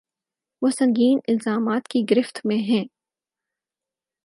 وہ سنگین الزامات کی گرفت میں ہیں۔